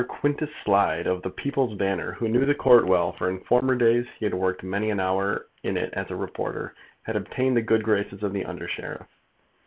Quintus Slide, of The People's Banner, who knew the Court well, for in former days he had worked many an hour in it as a reporter, had obtained the good graces of the under sheriff.